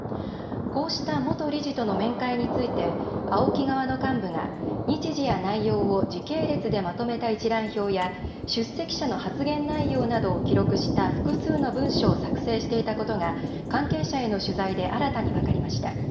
こうした元理事との面会についてＡＯＫＩ側の幹部が日時や内容を時系列でまとめた一覧表や出席者の発言内容などを記録した複数の文書を作成していたことが関係者への取材で新たに分かりました。